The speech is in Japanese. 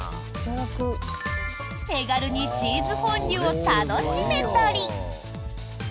手軽にチーズフォンデュを楽しめたり。